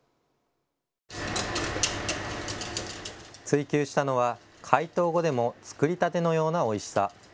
追求したのは、解凍後でも作りたてのようなおいしさ。